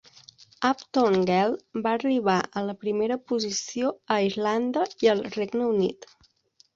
"Uptown Girl" va arribar a la primera posició a Irlanda i al Regne Unit.